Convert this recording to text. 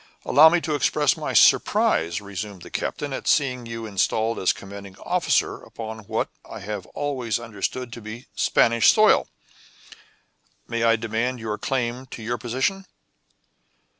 "Allow me to express my surprise," resumed the captain, "at seeing you installed as commanding officer upon what I have always understood to be Spanish soil. May I demand your claim to your position?"